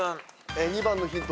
２番のヒント